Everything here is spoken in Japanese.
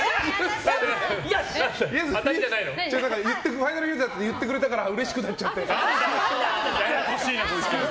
ファイナルフューチャーって言ってくれたからうれしくなっちゃって。